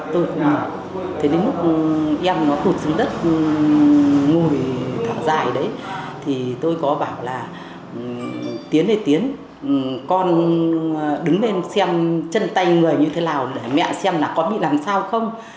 thế đến lúc em nó tụt xuống đất ngồi thả dài đấy thì tôi có bảo là tiến ơi tiến con đứng lên xem chân tay người như thế nào để mẹ xem là có bị làm sao không